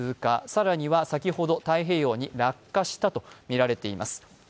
更には先ほど太平洋に落下したとみられています。